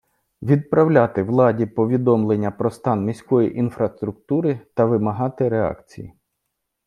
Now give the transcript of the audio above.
Відправляти владі повідомлення про стан міської інфраструктури та вимагати реакції.